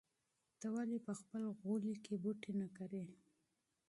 ته ولې په خپل انګړ کې بوټي نه کرې؟